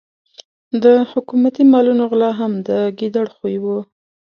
د حکومتي مالونو غلا هم د ګیدړ خوی وو.